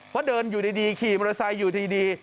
เพราะเดินอยู่ดีขี่มอเตอร์ไซค์อยู่ดี